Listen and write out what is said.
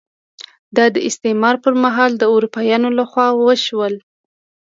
دا د استعمار پر مهال د اروپایانو لخوا وشول.